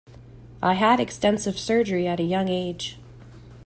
I had extensive surgery at a young age.